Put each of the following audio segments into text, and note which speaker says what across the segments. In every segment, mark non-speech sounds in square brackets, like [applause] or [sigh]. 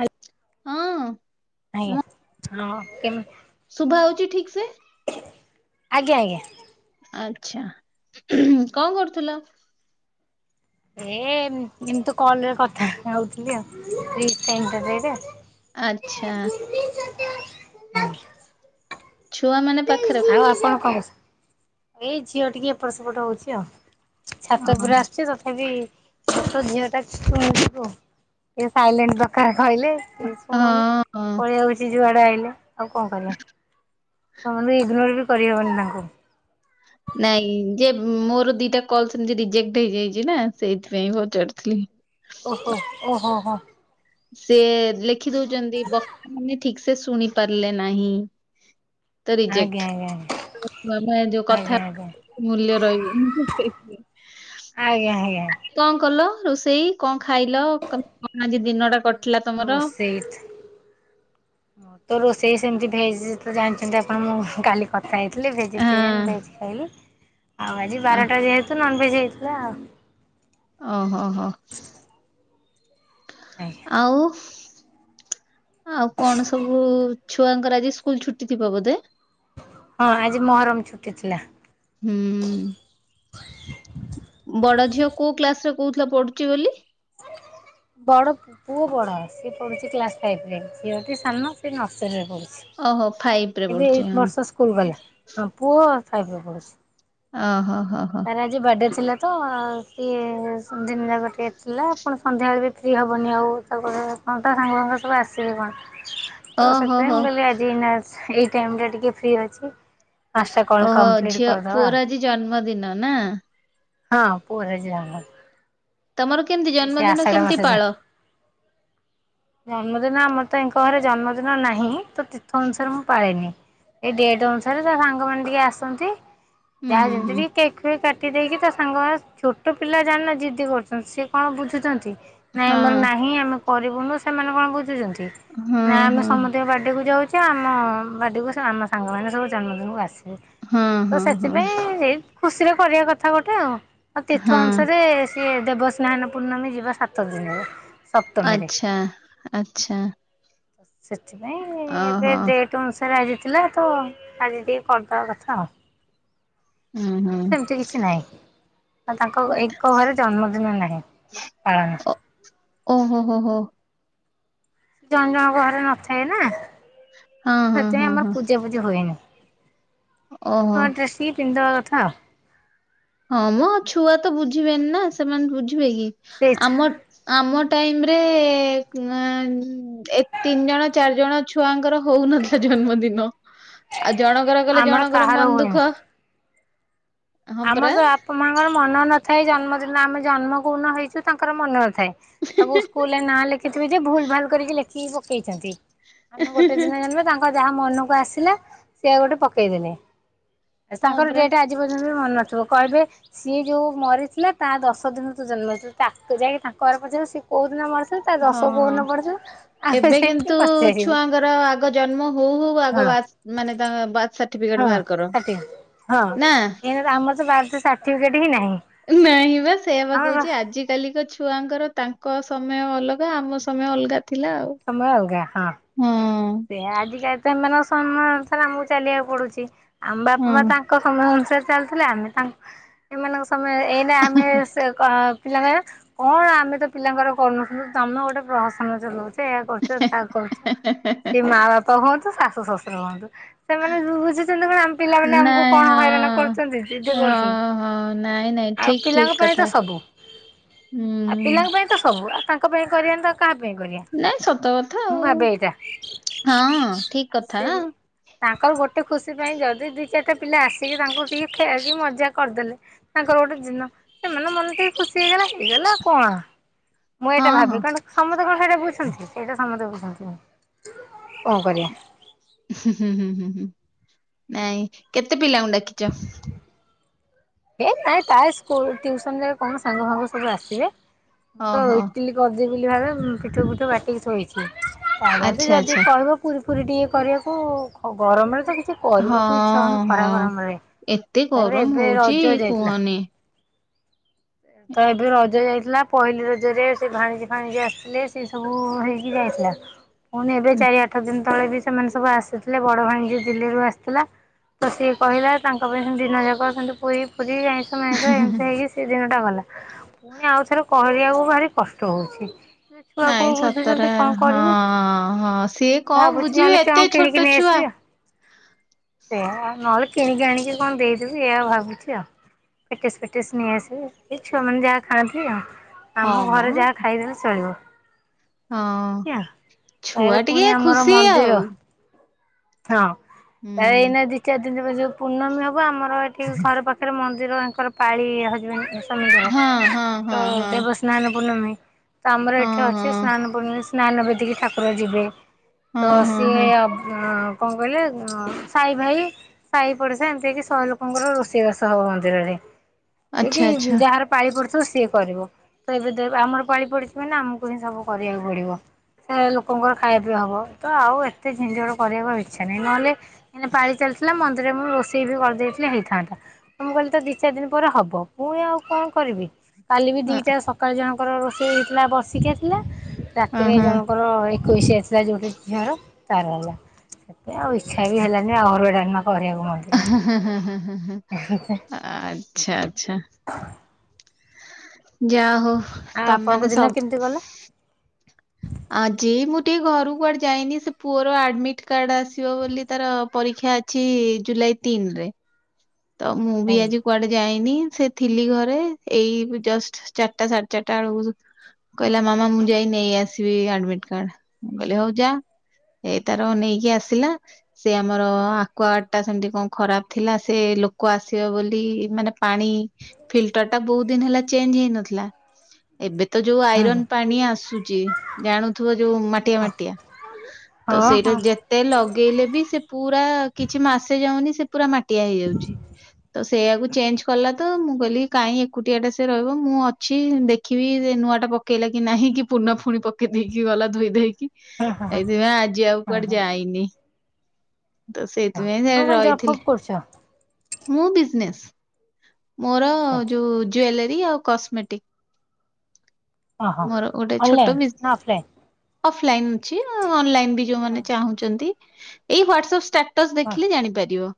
Speaker 1: ଆ୍।
Speaker 2: ହଁ। ମୁଁ
Speaker 1: ଆଜ୍ଞା ହଁ କେମି
Speaker 2: ଶୁଭା ହଉଛି ଠିକ ସେ
Speaker 1: ଆଜ୍ଞା ଆଜ୍ଞା।
Speaker 2: ଆଛା। କଣ କରୁଥିଲ?
Speaker 1: ଏ ଏମ୍ ଏମିତି କଲରେ କଥା ହଉଥିଲି ଆଉ ଫ୍ରି ଟାଇମ ଟା ତ ଏଇଟା।
Speaker 2: ଆଚ୍ଛା। ଛୁଆ ମାନେ ପାଖରେ?
Speaker 1: ଆପଣ କଣ କରୁ ଏଇ ଝିଅ ଟିକେ ଏପଟ ସେପଟ ହଉଛି ଆଉ ଛାତ
Speaker 2: ଓହୋ
Speaker 1: ପୁରା ଆସୁଛି ତଥାପି ତ ଝିଅଟା ଶୁଣୁଛି କୋଉ କେ ସାଇଲେଣ୍ଟ ଦକାରେ କହିଲେ ସେ ଶୁଣୁନି
Speaker 2: ହଁ ହଁ
Speaker 1: ପଳେଇଆଉଛି ଯୁଆଡେ ଆଇଲେ ଆଉ କଣ କରିବା। ନାଁକୁ
Speaker 2: ନାଇଁ ଯେ ମୋର ଦିଟା କଲ ସେମିତି ରିଜେକ୍ଟ ହେଇଯାଇଛି ନା ସେଇଥିପାଇଁ ପଚାରୁଥିଲି।
Speaker 1: ଓହୋ ଓ ହୋ ହୋ।
Speaker 2: ସେ ଲେଖି ଦଉଛନ୍ତି ବକ୍ତା ମାନେ ଠିକ ସେ ଶୁଣି ପାରିଲେ ନାହିଁ। ତ
Speaker 1: ଆଜ୍ଞା
Speaker 2: ରିଜେକ୍ଟ।
Speaker 1: ଆଜ୍ଞା ଆଜ୍ଞା
Speaker 2: ମାନେ ଯୋଉ
Speaker 1: ଆଜ୍ଞା
Speaker 2: କଥା
Speaker 1: ଆଜ୍ଞା
Speaker 2: ମୂଲ୍ୟ ରହିବନି ସେଇଥିରେ
Speaker 1: ଆଜ୍ଞା ଆଜ୍ଞା
Speaker 2: କଣ କଲ ରୋଷେଇ କଣ ଖାଇଲ କଣ ଆଜି ଦିନଟା କ?
Speaker 1: ରୋଷଇ ଥ୍ ତ ର ସେଇ ସେମିତି ଭେଜ୍ ତ ଜାଣିଛନ୍ତି ଆପଣ ମୁଁ କାଲି କଥା ହେଇଥିଲି ଭେଜିଟେରିଆନ୍
Speaker 2: ହଁ
Speaker 1: ଭେଜ୍ ଖାଇଲି। ଆଉ ଆଜି ବାରଟା ଯେହେତୁ ନନ ଭେଜ ହେଇଥିଲା ଆଉ।
Speaker 2: ଓହୋ ହୋ
Speaker 1: ଆଜ୍ଞା
Speaker 2: ଆଉ। ଆଉ କଣ ସବୁ ଛୁଆଙ୍କର ଆଜି ସ୍କୁଲ ଛୁଟି ଥିବ ବୋଧେ?
Speaker 1: ହଁ ଆଜି ମହରମ ଛୁଟି ଥିଲା।
Speaker 2: ହୁଁ। ବଡ ଝିଅ କୋଉ କ୍ଲାସ ରେ କହୁଥିଲ ପଢୁଛି ବୋଲି?
Speaker 1: ବଡ଼ ପୁଅ ବଡ ସିଏ ପଢ଼ୁଛି କ୍ଲାସ ଫାଇଭ ରେ ଝିଅ ହୋଉଛି ସାନ ସେ ନର୍ସରୀରେ ପଢ଼ୁଛି।
Speaker 2: ଓହୋ ଫାଇଭ ରେ
Speaker 1: ଏବେ
Speaker 2: ପଢୁଛି
Speaker 1: ଏଇ
Speaker 2: ହଁ।
Speaker 1: ବର୍ଷ ସ୍କୁଲ ଗଲା। ହଁ ପୁଅ ଫାଇଭ ରେ ପଢ଼ୁଛି।
Speaker 2: ଓ ହୋ। ହୋ
Speaker 1: ତାର ଆଜି ବାଡେ ଛି ଥିଲା ତ ସିଏ ସ ଦିନ ଯାକ ଟିକେଏ ଥିଲା। ପୁଣି ସନ୍ଧ୍ୟାବେଳେ ବି ଫ୍ରି ହେବନି ଆଉ ତାକୁ କଣ ତ ସାଙ୍ଗ ଫାଙ୍ଗ ସବୁ ଆସିବେ କଣ। ତ
Speaker 2: ଓହୋ
Speaker 1: ସେଥିପାଇଁ
Speaker 2: ହୋ
Speaker 1: ମୁଁ କହିଲି ଆଜି ଏଇ ଟାଇମରେ ଟିକେ ଫ୍ରି ଅଛି। ପାଞ୍ଚଟା କଲ୍
Speaker 2: ଓହୋ
Speaker 1: କମ୍ପ୍ଲିଟ୍
Speaker 2: ଝିଅ
Speaker 1: କରିଦବା
Speaker 2: ପୁଅର ଆଜି ଜନ୍ମଦିନ ନା।
Speaker 1: ହଁ ପୁଅର ଆଜି ଜନ୍ମଦି
Speaker 2: ତମର କେମତି ଜନ୍ମଦିନ କେମତି
Speaker 1: ଜନ୍ମ।
Speaker 2: ପାଳ?
Speaker 1: ଜନ୍ମଦିନ ଆମର ତ ଏଙ୍କ ଘରେ ଜନ୍ମଦିନ ନାହିଁ ତ ତୀର୍ଥ ଅନୁସାରେ ମୁଁ ପାଳେନି। ଏଇ ଡେଟ ଅନୁସାରେ ତା ସାଙ୍ଗମାନେ ଟିକେ ଆସନ୍ତି।
Speaker 2: ହୁଁ
Speaker 1: ଯାହା
Speaker 2: ହୁଁ ହୁଁ
Speaker 1: ଯେମିତି ଟିକେ କେକ୍ ଫେକ୍ କା ଟି ଦେଇକି ତା ସାଙ୍ଗ ମା ଛୋଟ ପିଲା ଜାଣିନ ଜିଦ୍ଦି କରୁଛନ୍ତି। ସିଏ କଣ ବୁଝୁଛନ୍ତି। ନାଇଁ
Speaker 2: ହଁ
Speaker 1: ଆମର ନାହିଁ ଆମେ କରିବୁନୁ ସେମାନେ କଣ ବୁଝୁଛନ୍ତି।
Speaker 2: ହଁ
Speaker 1: ନା ଆମେ
Speaker 2: ହଁ
Speaker 1: ସମସ୍ତଙ୍କ ବାର୍ଡେ କୁ ଯାଉଚୁ। ଯେ ଆମ ବାର୍ଡେକୁ ଆମ ସାଙ୍ଗମାନେ ସବୁ ଜନ୍ମଦିନକୁ ଆସେ।
Speaker 2: ହଁ
Speaker 1: ତ
Speaker 2: ହଁ ହଁ
Speaker 1: ସେଥିପାଇଁ ଏଇ ଖୁସିରେ କରିବା କଥା ଗୋଟେ ଆଉ ଆଉ ତୀର୍ଥ
Speaker 2: ହଁ।
Speaker 1: ଅନୁସାରେ ସିଏ ଦେବସ୍ନାନ ପୂର୍ଣ୍ଣମୀ ଯିବା ସାତ ଦିନରେ। ସପ୍ତମୀରେ।
Speaker 2: ଆଛା ଆଛା।
Speaker 1: ସେଥିପାଇଁ ଏବେ ଡେଟ ଅନୁସା ତାର ଆଜି ଥିଲା ତ ଆଜି ଟିକେ କରିଦେବା କଥା ଆଉ।
Speaker 2: ହୁଁ ହୁଁ।
Speaker 1: ସେମିତି କିଛି ନାହିଁ। ତାଙ୍କ ଏଙ୍କ ଘରେ ଜନ୍ମଦିନ ନାହିଁ ପାଳନ।
Speaker 2: ଓ ହୋ ହୋ ହୋ।
Speaker 1: ଜଣ ଜଣଙ୍କ ଘରେ ନଥାଏ ନା
Speaker 2: ହଁ ହଁ
Speaker 1: ସେଥିପାଇଁ
Speaker 2: ହଁ
Speaker 1: ଆମର
Speaker 2: ହଁ
Speaker 1: ପୂଜା ପୂଜି ହୁଏନି।
Speaker 2: ଓହୋ
Speaker 1: ନୂଆ ଡ୍ରେସ ଟିକେ ପିନ୍ଧିଦବା କଥା।
Speaker 2: ହଁ ମୋ ଛୁଆ ତ ବୁଝିବେନି ନା ସେମାନେ ବୁଝିବେ କି
Speaker 1: ସେ
Speaker 2: ଆମ ଆମ ଟାଇମ ରେ ଅନ ଏ ତିନି ଜଣ ଚାରିଜଣ ଛୁଆଙ୍କର ହଉନଥିଲା ଜନ୍ମଦିନ। ଆଉ ଜଣଙ୍କର କଲେ,
Speaker 1: ଆମର
Speaker 2: ଜଣଙ୍କର
Speaker 1: କାହାର
Speaker 2: ମନ
Speaker 1: ହୁଏନି।
Speaker 2: ଦୁଃଖ। ହଁ ପରା
Speaker 1: ଆମର ତ ବାପା ମାଙ୍କର ମନ ନଥାଏ ଜନ୍ମଦିନ। ଆମେ ଜନ୍ମ କଉଁ ଦିନ ହେଇଛୁ, ତାଙ୍କର ମନ ନଥାଏ। ଥାଏ। ସବୁ ସ୍କୁଲରେ ନାଁ ଲେଖିଥିବେ ଯେ, ଭୁଲ ଭାଲ କରିକି ଲେଖିକି ପକେଇଛନ୍ତି। ଆମେ ଗୋଟେ ଦିନ ଜନ୍ମ, ତାଙ୍କ ଯାହା ମନକୁ ଆସିଲା। ସିଏ ଗୋଟେ ପକେଇଦେଲେ।
Speaker 2: ହଁ
Speaker 1: ତାଙ୍କର
Speaker 2: ପରା
Speaker 1: ଡେଟ ଆଜି ପର୍ଯ୍ୟନ୍ତ ବି ମନେ ନଥିବ। କହିବେ ସିଏ ଯୋଉଁ ମରିଥିଲା, ତା ଦଶ ଦିନରୁ ତୁ ଜନ୍ମ ହେଇଛୁ। ତାକୁ ଯାଇକି ତାଙ୍କ ଘ ସେ କୋଉଁଦିନ ମରିଥିଲା ତା ଦଶ କୋଉଁ
Speaker 2: ହଁ
Speaker 1: ଦିନ ପଡ଼ିଥିଲା।
Speaker 2: ଏବେ କିନ୍ତୁ ଛୁଆଙ୍କର, ଆଗ ଜନ୍ମ ହଉ ହଉ
Speaker 1: ହଁ
Speaker 2: ଆଗ। ମାନେ ତା ବାର୍ଥ ସା
Speaker 1: ହଁ, ହଁ। ଆମର ତ ବାର୍ଥ ସାଟିଫିକେଟ ହିଁ ନାହିଁ।
Speaker 2: ନାହିଁ ବା। ସେଇଆ ବା
Speaker 1: ଆମର
Speaker 2: କହୁଛି। ଆଜି କାଲିକ ଅଛ ଛୁଆଙ୍କର, ତାଙ୍କ ସମୟ ଅଲଗା। ଆମ ସମୟ ଅଲଗା। ଥିଲା ଆଉ
Speaker 1: ସମୟ ଅଲଗା ହଁ। ସେ ଆଜି କ ସେମାନଙ୍କ ସମୟ ଅନୁସାରେ ଆମକୁ ଚାଲିବାକୁ ପଡୁଛି। ଆମ ବାପା ମା
Speaker 2: ହଁ
Speaker 1: ତାଙ୍କ ସମୟ ଅନୁସାରେ ଚାଲଥିଲେ। ଆମେ ତାଙ୍କ, ଏମାନଙ୍କ ସମୟ। ଏଇ ଆମେ ସେ ପିଲାଙ୍କ କଣ ଆମେ ତ ପିଲାଙ୍କର କରୁନଥିଲୁ। ତମେ ଗୋଟେ ପ୍ରହସନ ଚଲଉଛ। ସେ ଏୟା କରୁଛ ତା କରୁଛ। ସେ ମା ବାପା ହୁଅନ୍ତୁ, ଶାଶୁ ଶଶୁର ହୁଅନ୍ତୁ। ସେମାନେ ବୁଝୁଛନ୍ତି କଣ। ଆମ ପିଲାମାନେ ଆମକୁ କଣ ହଇରାଣ କରୁଛନ୍ତି। ଜିଦି କରୁଛନ୍ତି।
Speaker 2: ହଁ ହଁ ନାଇଁ ନାଇଁ
Speaker 1: ଆଉ
Speaker 2: ଠିକ
Speaker 1: ପିଲାଙ୍କ
Speaker 2: ଠିକ
Speaker 1: ପାଇଁ ତ
Speaker 2: କଥା
Speaker 1: ସବୁ। ଆଉ
Speaker 2: ହୁଁ
Speaker 1: ପିଲାଙ୍କ ପାଇଁ ତ ସବୁ। ତାଙ୍କ ପାଇଁ କରିବାନି ତ, ଆଉ କାହା ପାଇଁ କରିବା।
Speaker 2: ନାଇଁ ସତ କଥା
Speaker 1: ମୁଁ
Speaker 2: ଆଉ
Speaker 1: ଭାବେ ଏଇଟା।
Speaker 2: ହଁ। ଠିକ
Speaker 1: ଆଉ ସେ
Speaker 2: କଥା।
Speaker 1: ତାଙ୍କର ଗୋଟେ ଖୁସି ପାଇଁ। ଯଦି ଦି ଚାରିଟା ପିଲା ଆସିକି, ତାଙ୍କୁ ଟିକେ ଖେଳିକି ମଜା କରିଦେଲେ। ତାଙ୍କର ଗୋଟେ ଦିନ। ସେମାନଙ୍କ ମନ ଟିକେ ଖୁସି ହେଇଗଲା। ହେଇଗଲା ଆଉ କଣ। ମୁଁ ଏଇଟା
Speaker 2: ହଁ
Speaker 1: ଭାବେ।
Speaker 2: ହଁ
Speaker 1: କାରଣ ସମସ୍ତେ କଣ ସେଇଟା ବୁଝନ୍ତି। ସେଇଟା ସମସ୍ତେ ବୁଝନ୍ତିନି। କଣ କରିବା।
Speaker 2: ହୁଁ ହୁଁ ହୁଁ ହୁଁ ହୁଁ, ନାଇଁ କେତେ ପିଲାଙ୍କୁ ଡାକିଛ?
Speaker 1: ହେ ନାଇଁ ତା ସ୍କୁଲୁ ଟିଉସନ ରେ କଣ ସାଙ୍ଗ ଫାଙ୍ଗ ସବୁ ଆସିବେ। ମୁଁ ତ
Speaker 2: ଓହୋ
Speaker 1: ଇଟିଲି କରିଦେବି ବୋଲି ଭାବେ ଉଁ ପିଠଉ ପିଠଉ ବାଟିକି ଥୋଇଛି। ତମେ ତ
Speaker 2: ଆଚ୍ଛା
Speaker 1: ଯଦି
Speaker 2: ଆଚ୍ଛା
Speaker 1: କହିବ ପୁରୀ ଫୁରୀ ଟିକେ କରିବାକୁ ଗ-ଗରମରେ ତ କି
Speaker 2: ହଁ ହଁ ଏତେ
Speaker 1: ତାପରେ
Speaker 2: ଗରମ
Speaker 1: ଏବେ
Speaker 2: ହଉଚି
Speaker 1: ରଜ ଯାଇଥିଲା
Speaker 2: କୁହନି।
Speaker 1: ତ ଏବେ ରଜ ଯାଇଥିଲା। ପହିଲି ରଜରେ ସେ ଭାଣିଜି ଫାଣିଜି ଆସିଥିଲେ ସେ ସବୁ ହେଇକି ଯାଇଥିଲା। ପୁଣି ଏବେ ଚାରି ଆଠ ଦିନ ତଳେ ବି ସେମାନେ ସବୁ ଆସିଥିଲେ। ବଡ ଭାଣିଜୀ ଦିଲ୍ଲୀରୁୁ ଆସିଥିଲା। ତ ସିଏ କହିଲା ତାଙ୍କ ପାଇଁ ସେ ଦିନ ଯାକ ସେ ପୁରୀ ଫୁ ରି ଆଇଁଷ ମାଇଁଷ ଏମିତି ହେଇକି ସେ ଦିନଟା ଗଲା। ପୁଣି ଆଉଥରେ କରିବାକୁ ଭାରି କଷ୍ଟ ହଉଛି। ସେ ଛୁଆ
Speaker 2: ନାଇଁ
Speaker 1: କଉ
Speaker 2: ସତରେ
Speaker 1: ବୁଝୁଛନ୍ତି କଣ
Speaker 2: ହଁ
Speaker 1: କରିବି
Speaker 2: ହଁ ସିଏ
Speaker 1: ମୁଁ
Speaker 2: କଣ
Speaker 1: ଭାବୁଛି
Speaker 2: ବୁଝିବେ
Speaker 1: ନହେଲେ
Speaker 2: ଏତେ
Speaker 1: କଣ
Speaker 2: ଛୋଟ
Speaker 1: କିଣିକି ନେଇ
Speaker 2: ଛୁଆ
Speaker 1: ଆସିବି ଆଉ। ସେୟା ନହେଲେ କିଣିକି ଆଣିକି କଣ ଦେଇଦେବି ଏଇଆ ଭାବୁଛି ଆଉ। ପେଟିସ୍ ଫେଟିସ୍ ନେଇ ଆସିବି। ଏ ଛୁଆମାନେ ଯାହା ଖାଆନ୍ତି ଆଉ
Speaker 2: ହଁ
Speaker 1: ଆମ
Speaker 2: ମ
Speaker 1: ଘରେ ଯାହା ଖାଇଦେଲେ ଚଳିବ।
Speaker 2: ହଁ
Speaker 1: ଏମିତି ଆଉ ତାରେ
Speaker 2: ଛୁଆ
Speaker 1: ପୁଣି
Speaker 2: ଟିକେ
Speaker 1: ଆମର
Speaker 2: ଖୁସି
Speaker 1: ମନ୍ଦିର
Speaker 2: ଆଉ।
Speaker 1: ହଁ ତା
Speaker 2: ହୁଁ।
Speaker 1: ଏଇନା ଦି ଚାରି ଦିନ [unintelligible] ଯୋଉ ପୂର୍ଣ୍ଣମୀ ହବ ଆମର ଏ ଠିକ ଘର ପାଖରେ ମନ୍ଦିର ଆଙ୍କର ପାଳି ହଜବେଣ୍ଡ ସ୍ୱାମୀଙ୍କର ତ ଦେବସ୍ନାନ ପୂର୍ଣମୀ ତ ଆମର ଏଠି ଅଛି ସ୍ନାନ ପୂର୍ଣ୍ଣମି ସ୍ନାନ ବେଦୀକି ଠାକୁର ଯିବେ। ତ ସିଏ ଅଁ କଣ କହିଲେ ଅଁ ସାଇ ଭାଇ। ସାଇ ପଡିଶା ଏମିତି ହେଇକି ଶହ ଲୋକଙ୍କର ରୋଷେଇବାସ ହବ ମନ୍ଦିରରେ। ଯେ କି ଯାହାର ପାଳି ପଡ ଥିବ ତ ସିଏ କରିବ ତ ଏବେ ଦେ ଆମର ପାଳି ପଡିଛି ମାନେ ଆମକୁ ହିଁ ସବୁ କରିବାକୁ ପଡିବ। ସେ ଲୋକଙ୍କର ଖାଇବା ପିଇବା ହବ ତ ଆଉ ଏତେ ଜିନିଝଟ କରିବାକୁ ଆଉ ଇ ଇଚ୍ଛା ନାହିଁ ନହେଲେ ଏଇନା ପାଳି ଚାଲିଥିଲା ମ ନ୍ଦିରରେ ମୁଁ ରୋଷେଇ ବି କରିଦେଇଥିଲି ହେଇଥାନ୍ତା ମୁଁ କହିଲି ତ ଦି ଚାରି ଦିନ ପରେ ହବ ପୁଣି ଆଉ କଣ କରିବି। କାଲି ବି ଦିଟା ସକାଳେ ଜଣଙ୍କର ରୋଷେଇ ହେଇଥିଲା ବର୍ଷିକିଆ ଥିଲା ରାତିରେ ଜଣଙ୍କର ଏ ଏକୋଇଶିଆ ଥିଲା ଯଉ ଗୋଟେ ଝିଅର ତାର ହେଲା ସେଥିପାଇଁ ଆଉ ଇଚ୍ଛା ବି ହେଲାନି ଆହୁରି ଗୋଟେ ନ
Speaker 2: ହଁ ହଁ ହଁ ହଁ ହଁ ହଁ ହଁ ଆଚ୍ଛା ଆଚ୍ଛା। ଯା ହଉ
Speaker 1: ଆଉ
Speaker 2: ତମ
Speaker 1: ଆପଣଙ୍କ
Speaker 2: ମାନେ
Speaker 1: ଦିନ
Speaker 2: ସବ।
Speaker 1: କେମିତି ଗଲା?
Speaker 2: ଆଜି ମୁଁ ଟିକେ ଘରୁ କୁଆଡେ ଯାଇନି ସେ ପୁଅର ଆଡମିଟ କାର୍ଡ ଆସିବ ବୋଲି ତାର ପରୀ କ୍ଷା ଅଛି ଜୁଲାଇ ତିନି ରେ ତ ମୁଁ ବି
Speaker 1: ଆଜ୍ଞା
Speaker 2: ଆଜି କୁଆଡେ ଯାଇନି। ସେ ଥିଲି ଘରେ ଏଇ ବ ଜଷ୍ଟ ଚାରିଟା ସାଢେ ଚାରିଟା ବେଳକୁ। କହିଲା ମାମା ମୁଁ ଯାଇ ନେଇ ଆସିବି ଆଡମିଟ କାର୍ଡ ମୁଁ କହିଲି ହଉ ଯା। ଏଇ ତାର ନେଇକି ଆସିଲା ସେ ଆମର ଆକ୍ୱାଗାର୍ଡ ଟା ସେମିତି କଣ ଖରାପ ଥିଲା ସ ସେ ଲୋକ ଆସିବ ବୋଲି ମାନେ ପାଣି ଫିଲ୍ଟର ଟା ବହୁତ ଦିନ ହେଲା ଚେଞ୍ଜ ହେଇନଥିଲା। ଏବେ ତ ଯୋଉ
Speaker 1: ହୁଁ ହୁଁ।
Speaker 2: ଆଇରନ ପାଣି ଆସୁଛି ଜାଣୁଥିବ ଯୋଉ ମାଟିଆ ମାଟିଆ। ତ
Speaker 1: ହଁ
Speaker 2: ସେଇଟା
Speaker 1: ହଁ
Speaker 2: ଯେତେ ଲଗେଇଲେ ବି ସେ ପୁରା କିଛି ମାସେ ଯାଉନି। ସେ ପୁରା ମାଟିଆ ହେଇଯାଉଛି ତ ସେଇଆକୁ ଚେଞ୍ଜ କଲା ତ ମୁଁ କହିଲି କାହିଁ ଏକୁଟିଆଟା ସେ ରହିବ ମୁଁ ଅଛି ଦେଖିବି ସେ ନୂଆଟା ପକେଇଲା କି ନାହିଁ କି ପୁରୁଣା ପୁଣି ପକେଇ ଦେଇକି ଗଲା ଧୋଇ ଧାଇକି।
Speaker 1: ହଁ ହଁ
Speaker 2: ଏଇଥିପାଇଁ ଆଜି ଆଉ
Speaker 1: ହଁ ହଁ
Speaker 2: କୁଆଡେ
Speaker 1: ହଁ
Speaker 2: ଯାଇନି। ତ ସେଇଥିପାଇଁ
Speaker 1: ତମେ
Speaker 2: ସିଆଡ଼େ
Speaker 1: କଣ ଜବ୍
Speaker 2: ରହିଥିଲି।
Speaker 1: ଫବ୍ କରୁଛ?
Speaker 2: ମୁଁ ବିଜନେସ ମୋର ଯୋଉ ଜ୍ୱେଲ ରି ଆଉ
Speaker 1: ଓହୋ
Speaker 2: କସ୍ମେଟିକ ମୋର ଗୋଟେ ଛୋଟ
Speaker 1: ଅନଲାଇନ୍
Speaker 2: ବିଜ।
Speaker 1: ନା ଅଫଲାଇନ୍?
Speaker 2: ଅଫଲାଇନ ଅଛି ଅନଲାଇନ ବି ଯୋଉମାନେ ଚାହୁଁଛନ୍ତି ଏଇ ହ୍ୱାଟସପ ଷ୍ଟା ଟସ
Speaker 1: ହଁ
Speaker 2: ଦେଖିଲେ ଜାଣିପାରିବ।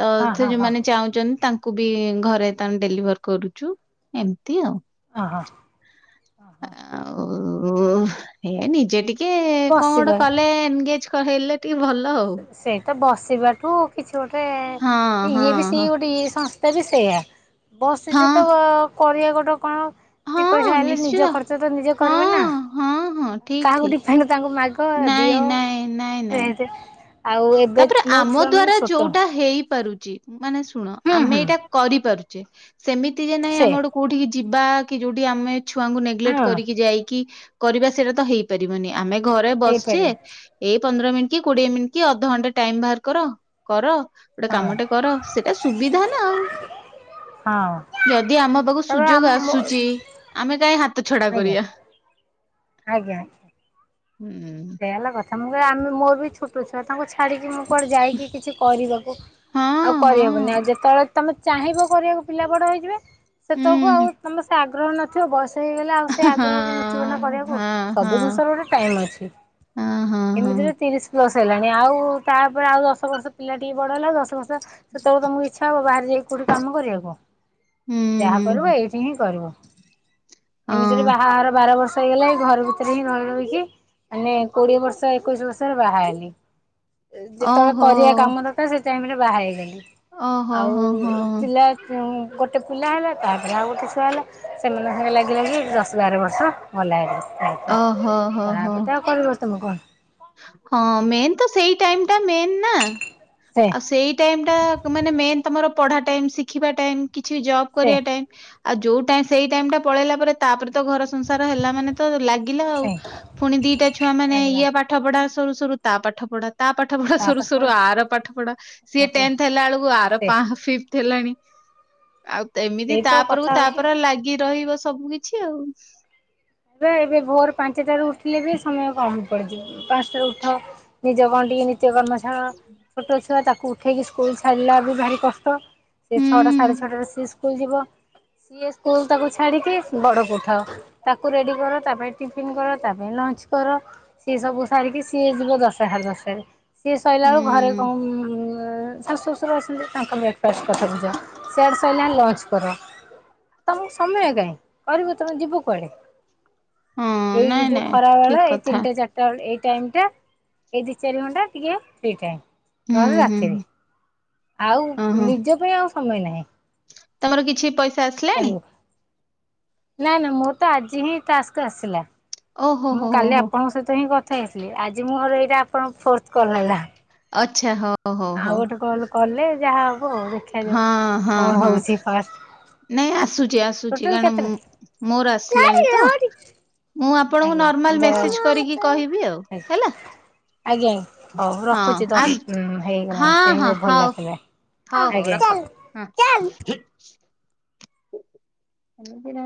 Speaker 2: ତ
Speaker 1: ହଁ
Speaker 2: ସେ
Speaker 1: ହଁ
Speaker 2: ଯୋଉମାନେ ଚାହୁଁଛନ୍ତି ତାଙ୍କୁ ବି ଘରେ ତମେ ଡେଲିଭର କରୁଛୁ ଏମ
Speaker 1: ଓ ହୋ ଓ ହୋ।
Speaker 2: ଉଁ ଓ ଏ ନିଜେ ଟିକେ କଣ ଗୋଟେ
Speaker 1: ବସିବା
Speaker 2: କଲେ ଏନଗେଜ କ ହେଲେ ଟିକେ ଭଲ ଆଉ
Speaker 1: ସେ ସେଇ ତ ବସିବାଠୁ କିଛି ଗୋଟେ
Speaker 2: ହଁ ହଁ
Speaker 1: ଇଏ ବି ସିଏ ଗୋଟେ ଇଏ ସ ତା ବି ସେଇଆ
Speaker 2: ହଁ
Speaker 1: ବସିଚୁ
Speaker 2: ହଁ
Speaker 1: ତ କରିବା ଗୋଟେ କଣ? ଦି
Speaker 2: ହଁ
Speaker 1: ପଇସା ହେଲେ
Speaker 2: ନିଶ୍ଚିତ
Speaker 1: ନିଜ ଖର୍ଚ୍ଚ ତ ନିଜେ
Speaker 2: ହଁ
Speaker 1: କରିବେ ନା
Speaker 2: ହଁ ହଁ ଠିକ୍
Speaker 1: କାହାକୁ
Speaker 2: ଠିକ୍।
Speaker 1: ଡି ଫାଇ ତାଙ୍କୁ ମାଗ ହ
Speaker 2: ନାଇଁ
Speaker 1: ଦିଅ
Speaker 2: ନାଇଁ ନାଇଁ ନାଇଁ
Speaker 1: [unintelligible] ଏବେ
Speaker 2: ତାପରେ
Speaker 1: ମୋ
Speaker 2: ଆମ
Speaker 1: ଛୁଆ ମାନେ
Speaker 2: ଦ୍ଵାରା
Speaker 1: ଛୋଟ
Speaker 2: ଯୋଉଟା ହେଇପାରୁ ଚି ମାନେ ଶୁଣ
Speaker 1: ହୁଁ
Speaker 2: ଆମେ
Speaker 1: ହୁଁ
Speaker 2: ଏଇଟା କରିପାରୁଚେ ସେମିତି ଯେ ନାଇଁ
Speaker 1: ସେ
Speaker 2: ଆମେ ଗୋଟେ କୋଉଠି କି ଯିବା କି ଯୋଉଟି ଆମେ ଛୁଆଙ୍କୁ ନେଗଲେଟ୍
Speaker 1: ହଁ
Speaker 2: କରିକି ଯାଇକି କରିବା ସେଇଟା ତ ହେଇପାରିବନି। ଆମେ ଘରେ ବସିଚେ
Speaker 1: ହେଇପାରିବ
Speaker 2: ଏଇ ପନ୍ଦର ମିନିଟ୍ କି କୋଡିଏ ମି କି ଅଧଘଣ୍ଟା ଟାଇମ ବାହାର କର କର। ଗୋଟେ
Speaker 1: ହଁ
Speaker 2: କାମଟେ କର ସେଟା ସୁବିଧା ନା ଆଉ।
Speaker 1: ହଁ
Speaker 2: ଯଦି ଆମ ପାକୁ
Speaker 1: ତେବେ ଆମ
Speaker 2: ସୁଯୋଗ ଆସୁଚି ଆମେ କାଇଁ ହା ତ ଛଡା କରିବା।
Speaker 1: ଆଜ୍ଞା ଆଜ୍ଞା।
Speaker 2: ହୁଁ।
Speaker 1: ଅମୁକୁ କଇବା ଆମେ ମୋର ବି ଛୋଟ ଛୁଆ ତାଙ୍କୁ ଛା ଛାଡିକି ମୁଁ କୁଆଡେ ଯାଇକି କିଛି କରିବାକୁ
Speaker 2: ହଁ
Speaker 1: ଆଉ
Speaker 2: ହଁ
Speaker 1: କରିହବନି ଆଉ ଯେତବେଳେ ତମେ ଚାହିଁବ କରିବାକୁ ପିଲା ବଡ ହେଇଯିବେ ସେତବେଳକୁ
Speaker 2: ହୁଁ
Speaker 1: ଆଉ ତମ ସେ ଆଗ୍ରହ ନଥିବ ବୟସ ହେଇଗଲେ ଆଉ ସେ
Speaker 2: ହଁ
Speaker 1: ଆଗ୍ରହ ବି ନଥିବ ନା
Speaker 2: ହଁ
Speaker 1: କରିବାକୁ ସବୁ
Speaker 2: ହଁ
Speaker 1: ଜିନିଷର ଗୋଟେ ଟାଇମ ଅଛି। ଏମିତିରେ ତିରିଶ ପ୍ଲସ ହେଲାଣି ଆଉ ତାପରେ ଆଉ ଦଶ ବର୍ଷ ପିଲା ଟିକେ ବଡ ହେଲାଉ ଦଶ ବର୍ଷ ସେତବେଳକୁ ତମକୁ ଇଛା ହବ ବାହାରେ ଯାଇକି କୋଉଠି କାମ କରିବାକୁ? ଯାହା କରିବ ଏଇଠି ହିଁ କରିବ। ଏମିତିରେ ବାହାଘର ବାର ବର୍ଷ ହେଇଗଲାଇ ଏଇ ଘର ଭିତରେ ହିଁ ରହି ରହିକି ମାନେ କୋଡିଏ ବର୍ଷ ଏକୋଇଶି ବର୍ଷରେ ବାହା ହେଲି। ଯେତବେଳେ କରିବା କାମ ଦରକାର ସେଇ ଟାଇମ୍ ରେ ବାହା ହେଇଗଲି। ଆଉ ପିଲା ଗୋଟେ ପିଲା ହେଲା ତାପରେ ଆଉ ଗୋଟେ ଛୁଆ ହେଲା ସେମାନଙ୍କ ସାଙ୍ଗେ ଲାଗି ଲାଗି ଦଶ ବାର ବର୍ଷ ଗଲା। ପ୍ରାୟତଃ।
Speaker 2: ଅ ହୋ ହୋ ହୋ।
Speaker 1: ତାପରେ ତ ଆଉ କରିବ ତମେ କଣ?
Speaker 2: ହଁ ମେନ୍ ତ ସେଇ ଟାଇମଟା। ମେନ୍ ନା
Speaker 1: ସେ
Speaker 2: ଆଉ ସେଇ ଟାଇମଟା ମାନେ ମେନ୍ ତମର ପଢାଟାଇମ ଶିଖିବା ଟାଇମ। କିଛି
Speaker 1: ସେ
Speaker 2: ଜବକରିବା ଟାଇମ୍ ଆଉ ଯୋଉ ଟଇମ୍ ସେଇଟାଇମ ଟା ପଳେଇଲା ପରେ ତାପରେ ତ ଘରସଂସାର ହେଲା ମାନେ ତ ଲାଗିଲା ଆଉ
Speaker 1: ସେ
Speaker 2: ଫୁଣି ଦିଟା ଛୁଆ ମାନେ
Speaker 1: ଲାଗିଲା
Speaker 2: ଇଏ ପା ଢା ସରୁ ସରୁ ତା ପାଠ ପଢା। ତା ପାଠପଢା
Speaker 1: ତା ପାଠ ପଢ
Speaker 2: ସରୁସରୁ ଆର ପାଠପଢା
Speaker 1: ୟା
Speaker 2: ସିଏ
Speaker 1: ପାଠ
Speaker 2: ତେନ୍ଥ ହେଲା ବେଳକୁ ଆର
Speaker 1: ସେ
Speaker 2: ପାଁ ଫିପଥ୍ ହେଲାଣି। ଆଉ ଏମିତି
Speaker 1: ସେଇ ତ କଥା
Speaker 2: ତାପରକୁ
Speaker 1: ହଉଛି।
Speaker 2: ତାପରେ ଲାଗି ରହିବ ସବୁ କିଛି ଆଉ।
Speaker 1: ହେ ହେ ଭୋର ପାଞ୍ଚଟାରୁ ଉଠିଲେବି ସମୟ କମପଡ଼ିଯିବ। ପାଞ୍ଚଟାରୁ ଉଠ ନିଜ କଣ ଟିକି ନି ନିତ୍ୟ କର୍ମ ସାର ଛୋଟ ଛୁଆ ତା କୁ ଉଠେଇକି ସ୍କୁଲ ଛାଡ଼ିଲା ବି ଭାରି କଷ୍ଟ ସିଏ ଛଅଟା ସାଢେଛଅଟାରେ ସିଏ ସ୍କୁଲ ଯିବ। ସିଏ ସ୍କୁଲ ତାକୁ ଛାଡିକି ବଡକୁ ଉଠାଅ ତା କୁ ରେଡି କର ତା ପାଇଁ ଟିଫିନକର ତା ପାଇଁ ଲଞ୍ଚକର ସିଏ ସବୁ ସାରିକି ସିଏ ଯିବ ଦଶଟା ସାଡେଦଶଟାରେ। ସିଏ ସଇଲା ବେଳୁ ଘରେ
Speaker 2: ହୁଁ
Speaker 1: କଣ ଉଁ ଏ ଶାଶୁଶଶୁର ଅଛନ୍ତି ତାଙ୍କ ବ୍ରେକଫାଷ୍ଟ କଥା ବୁଝ ସିଆଡେ ସଇଲାଣି ଲଞ୍ଚକର। ତମକୁ ସମୟକାଇଁ କରିବୁ ତମେ ଯିବୁକୁଆଡେ?
Speaker 2: ହଁ
Speaker 1: ଏଇ
Speaker 2: ନାଇଁ
Speaker 1: ଯୋଉ
Speaker 2: ନାଇଁ
Speaker 1: ଖରାବେଳ
Speaker 2: ଠିକ
Speaker 1: ଏଇ
Speaker 2: କଥା
Speaker 1: ତିନିଟାଚାରିଟା ବେଳେ ଏଇ ଟାଇମ ଟା ଏଇ ଦି ଚାରି ଘଣ୍ଟା ଟିକେ ଫ୍ରି ଟାଇମ୍
Speaker 2: ହୁଁ
Speaker 1: ନହେଲେ
Speaker 2: ହୁଁ
Speaker 1: ରାତିରେ।
Speaker 2: ହୁଁ
Speaker 1: ଆଉ
Speaker 2: ଓହୋ।
Speaker 1: ନିଜପାଇଁ ଆଉ ସମୟନାହିଁ।
Speaker 2: ତମର କିଛି ପଇସା ଆସିଲାଣି?
Speaker 1: ନା ନା ମୋର ତ ଆଜି ହିଁ ଟାତ୍ସ୍କ ଆସିଲା।
Speaker 2: ଓହୋ
Speaker 1: ମୁଁ
Speaker 2: ହୋ ହୋ
Speaker 1: କାଲି
Speaker 2: ହୋ
Speaker 1: ଆପଣଙ୍କ ସହିତ ହିଁ କ ଥା ହେଇଥିଲି ଆଜି ମୋର ଏଇରା ଆପଣ ଙ୍କ ଫୋର୍ଥ କଲ୍ ହେଲା।
Speaker 2: ଆଚ୍ଛା ହଁ।
Speaker 1: ଆଉଗୋଟେ କଲ୍ କଲେ ଯାହା ଆଉ ହ ଦେଖାଯାଉ,
Speaker 2: ହଁ ହଁ ହଁ
Speaker 1: କଣହଉଛି ଫାଷ୍ଟ।
Speaker 2: ନାଇଁ ଆସୁଛି ଆସୁଛି
Speaker 1: ଟୋଟାଲ
Speaker 2: କାରଣ
Speaker 1: କେତେଟା?
Speaker 2: ମୁଁ ମୋର ଆସିଲାଣି
Speaker 1: ଆଜ୍ଞା
Speaker 2: ତ
Speaker 1: [unintelligible]
Speaker 2: ମୁଁ ଆପଣଙ୍କୁ
Speaker 1: ଆଜ୍ଞା।
Speaker 2: ନର୍ମାଲ ମେସେଜ
Speaker 1: ଆଜ୍ଞା
Speaker 2: କରିକି କହିବି ଆଉ ହେଲା।
Speaker 1: ହଉ
Speaker 2: ହଁ
Speaker 1: ରଖୁଛି
Speaker 2: ଆସ
Speaker 1: ଦଶ ହେଇଗଲାଣି ତ ଟାଇମ ଓଭର ଲାପ ହେଲାଣି।
Speaker 2: ହଉହଉ ରଖ, ହୁଁ ଏମିତି